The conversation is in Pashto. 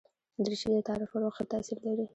دریشي د تعارف پر وخت ښه تاثیر لري.